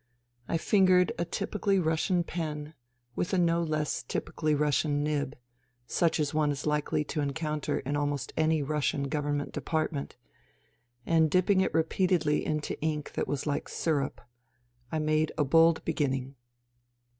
I fingered a typically Russian pen with a no less typically Russian nib, such as one is likely to encounter in almost any Russian government department, and dipping it repeatedly into ink that was Hke syrup, I made a bold beginning.